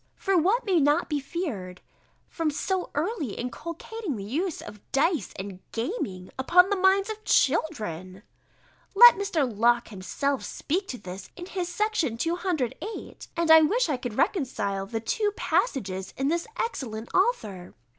For what may not be feared from so early inculcating the use of dice and gaming, upon the minds of children? Let Mr. Locke himself speak to this in his Section 208, and I wish I could reconcile the two passages in this excellent author.